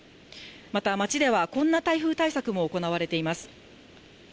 また町ではこんな台風対策も行われています。